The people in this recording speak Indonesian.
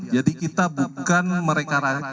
jadi kita bukan mereka